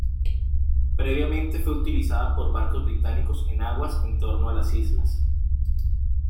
Previamente fue utilizada por barcos británicos en aguas en torno a las islas.